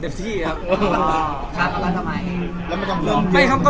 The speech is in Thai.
มันจะขยึ่งได้มั้ย